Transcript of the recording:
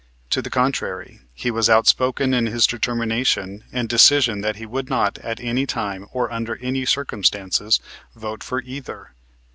To the contrary, he was outspoken in his determination and decision that he would not at any time or under any circumstances vote for either.